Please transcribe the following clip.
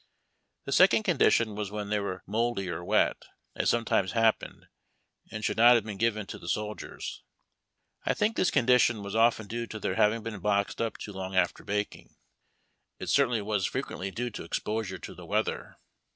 The second condition was when they were mouldy or wet, as sometimes happened, and should not have been given to the soldiers. I think this condition was often due to their having been boxed up too soon after baking. It certainly AEMY RATIONS. 115 was freqiientj}^ due to exposure to the weather.